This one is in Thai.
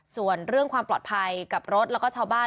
ส่วนเรื่องความปลอดภัยกับรถแล้วก็ชาวบ้าน